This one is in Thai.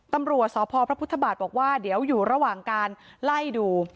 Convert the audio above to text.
ตำรวจสพพระพุทธบาทบอกว่าเดี๋ยวอยู่ระหว่างการไล่ดู